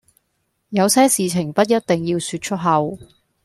有些事情不一定要說出口